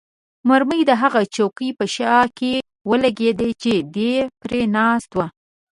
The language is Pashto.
مرمۍ د هغه چوکۍ په شا کې ولګېده چې دی پرې ناست وو.